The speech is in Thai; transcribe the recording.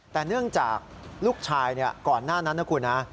แต่เนื่องจากลูกชายก่อนหน้านั้นนะคุณนะ